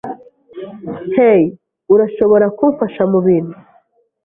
Hey, urashobora kumfasha mubintu?